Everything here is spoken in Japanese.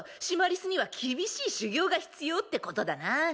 シマリスには厳しい修行が必要ってことだな。